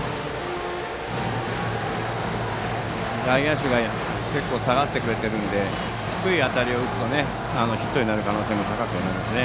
外野手が結構、下がってくれているので低い球を打つとヒットになる可能性高まりますね。